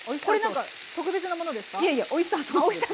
これなんか特別なものですか？